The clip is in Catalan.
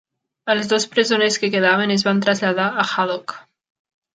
Els dos presoners que quedaven es van traslladar a "Haddock".